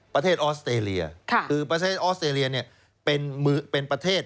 ออสเตรเลียคือประเทศออสเตรเลียเนี่ยเป็นประเทศ